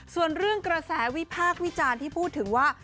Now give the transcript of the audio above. ส่วนเรื่องกระแสวิพากษ์วิจารณ์ที่พูดถึงว่า